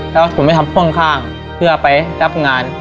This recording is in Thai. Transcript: แล้วผมไม่ทำพ่วงข้างเพื่อไปรับงาน